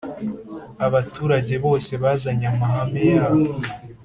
Abaturage bose bazanye amahame yabo